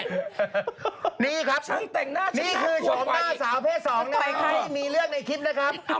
นี่ครับนี่คือโฉมหน้าสาวเพศสองน่ะใครมีเรื่องในคลิปนะครับ